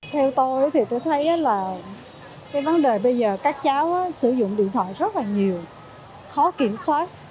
theo tôi thì tôi thấy là cái vấn đề bây giờ các cháu sử dụng điện thoại rất là nhiều khó kiểm soát